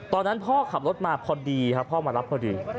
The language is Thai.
ตอนนั้นพ่อขับรถมาพอดีครับพ่อมารับพอดี